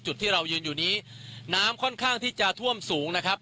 จุดที่เรายืนอยู่นี้น้ำค่อนข้างที่จะท่วมสูงนะครับ